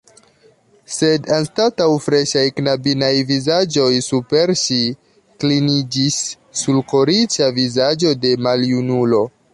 Sed anstataŭ freŝaj knabinaj vizaĝoj super ŝi kliniĝis sulkoriĉa vizaĝo de maljunulo.